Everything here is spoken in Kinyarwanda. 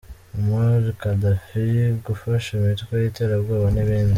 Muammar Gaddafi, gufasha imitwe y’iterabwoba n’ibindi.